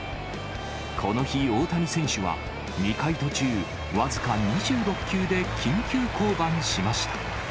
この日、大谷選手は２回途中、僅か２６球で緊急降板しました。